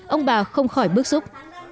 ông bà không khỏi bức xúc